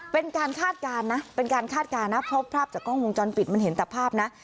เป็นการคาดการณ์นะพอภาพจากกล้องวงจรปิดมันเห็นแต่ภาพนะ